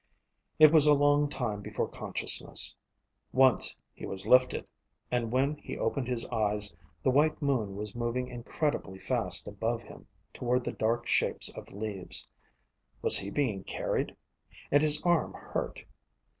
It was a long time before consciousness. Once he was lifted. And when he opened his eyes, the white moon was moving incredibly fast above him toward the dark shapes of leaves. Was he being carried? And his arm hurt.